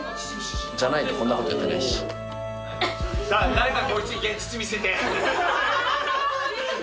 ・誰かこいつに現実見せて。